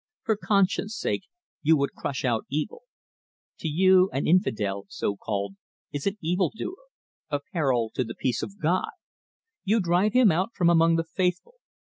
For conscience sake, you would crush out evil. To you an infidel so called is an evil doer, a peril to the peace of God. You drive him out from among the faithful.